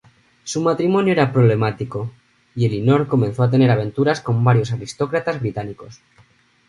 Su matrimonio era problemático, y Elinor comenzó a tener aventuras con varios aristócratas británicos.